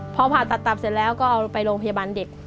พอผ่าตัดตับเสร็จแล้วก็เอาไปโรงพยาบาลเด็ก